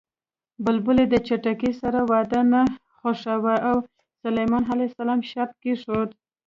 بلبلې د چتکي سره واده نه خوښاوه او سلیمان ع شرط کېښود